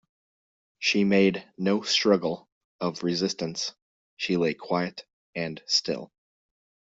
She made no struggle of resistance; she lay quiet and still.